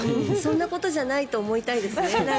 そんなことじゃないと思いたいですね。